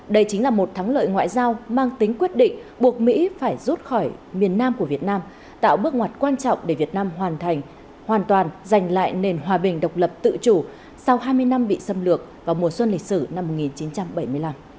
đây chính là một thắng lợi ngoại giao mang tính quyết định buộc mỹ phải rút khỏi miền nam của việt nam tạo bước ngoặt quan trọng để việt nam hoàn thành hoàn toàn giành lại nền hòa bình độc lập tự chủ sau hai mươi năm bị xâm lược vào mùa xuân lịch sử năm một nghìn chín trăm bảy mươi năm